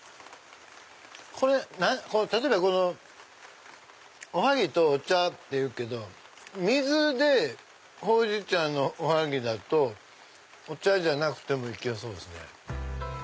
例えばおはぎとお茶って言うけど水でほうじ茶のおはぎだとお茶じゃなくても行けそうですね。